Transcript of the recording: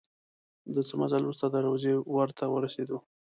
د څه مزل وروسته د روضې ور ته ورسېدو.